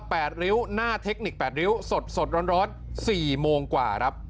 กลับมาว่า๘ริ้วหน้าเทคนิค๘ริ้วสดร้อน๔โมงกว่า